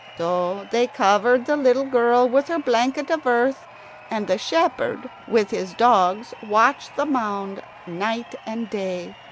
So they covered the little girl with her blanket of earth, and the shepherd with his dogs watched the mound night and day.